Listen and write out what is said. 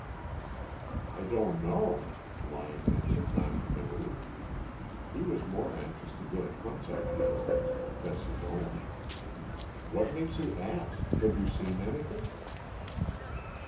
"I don't know," Lyon answered non committally. He was more anxious to get at Hunt's ideas than to confess his own. "What makes you ask? Have you seen anything?"